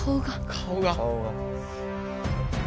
顔が。